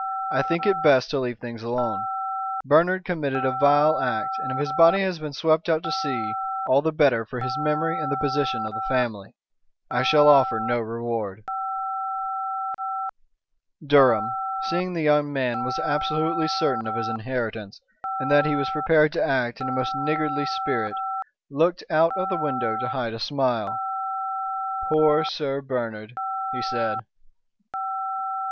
"I think it is best to leave things alone. Bernard committed a vile act, and if his body has been swept out to sea all the better for his memory and the position of the family. I shall offer no reward." Durham, seeing the young man was absolutely certain of his inheritance, and that he was prepared to act in a most niggardly spirit, looked out of the window to hide a smile. "Poor Sir Bernard," he said.